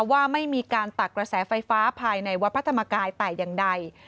ว่าไม่มีการตักกระแสไฟฟ้าภายในวัดพระธรรมกายแต่อย่างใด